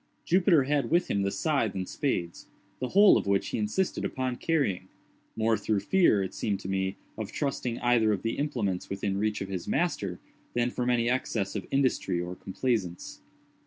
Jupiter had with him the scythe and spades—the whole of which he insisted upon carrying—more through fear, it seemed to me, of trusting either of the implements within reach of his master, than from any excess of industry or complaisance.